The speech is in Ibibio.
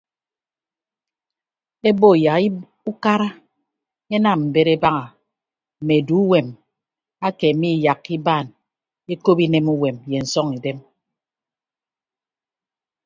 Ebo yak ukara enam mbet ebaña mme eduuwem ake miiyakka ibaan ekop inemuwem ye nsọñidem.